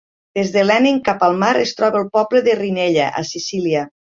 Des de Leni cap al mar es troba el poble de Rinella, a Sicília.